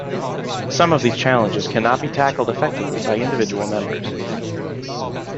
Some of these challenges cannot be tackled effectively by individual members.